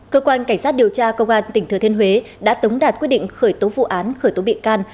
cơ quan cảnh sát điều tra công an tỉnh thừa thiên huế đã tống đạt quyết định khởi tố vụ án khởi tố bị can